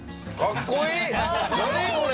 何これ！